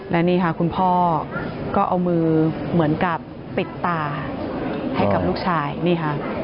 และนี่ค่ะคุณพ่อก็เอามือเหมือนกับปิดตาให้กับลูกชายนี่ค่ะ